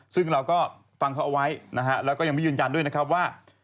ซึ่งเราก็ฟังเขาเอาไว้แล้วก็ยังไม่ยืนยันด้วยว่า